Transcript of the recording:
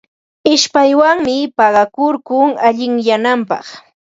Ishpaywanmi paqakurkun allinyananpaq.